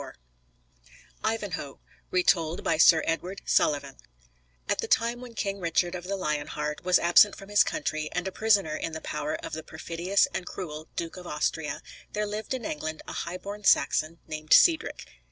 _ IVANHOE Retold by Sir Edward Sullivan At the time when King Richard, of the Lion Heart, was absent from his country, and a prisoner in the power of the perfidious and cruel Duke of Austria, there lived in England a highborn Saxon, named Cedric.